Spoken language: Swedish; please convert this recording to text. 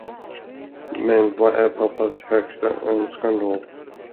Men vad är pappas högsta önskan då?